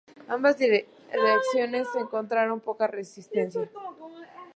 Ambas direcciones encontraron poca resistencia.